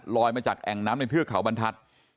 มาจากแอ่งน้ำในเทือกเขาบรรทัศน์